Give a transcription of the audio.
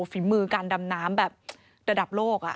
ฝีมือการดำน้ำแบบระดับโลก